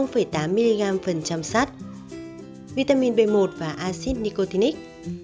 tám mg sắt vitamin b một và acid nicotinic